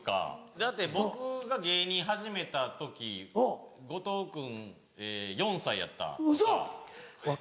だって僕が芸人始めた時後藤君え４歳やったとか。